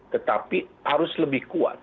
tetapi harus lebih kuat